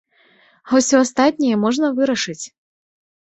А ўсё астатняе можна вырашыць.